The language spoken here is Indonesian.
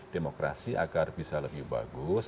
demokrasi agar bisa lebih bagus